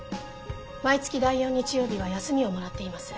毎月第４日曜日は休みをもらっています。